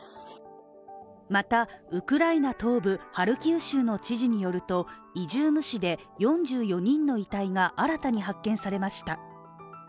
また、ウクライナ東部・ハルキウ州の知事によりますと、南部イジュームで４４人の遺体が新たに発見されました。